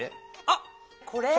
あっこれ？